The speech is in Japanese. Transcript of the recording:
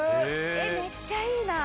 えっめっちゃいいな。